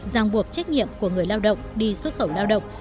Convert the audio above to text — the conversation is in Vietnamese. giang buộc trách nhiệm của người lao động đi xuất khẩu lao động